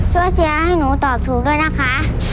ช่วยเชียร์ให้หนูตอบถูกด้วยนะคะ